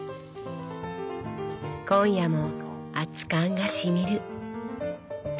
今夜も熱燗がしみる。